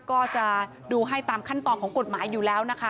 ก็จะดูให้ตามขั้นตอนของกฎหมายอยู่แล้วนะคะ